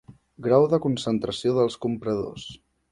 Grau de concentració dels compradors.